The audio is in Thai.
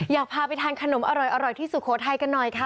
อยากพาไปทานขนมอร่อยที่สุโขทัยกันหน่อยค่ะ